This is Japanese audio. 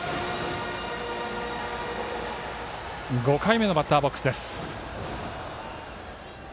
５回目のバッターボックスです。